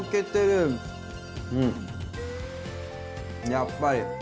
やっぱり。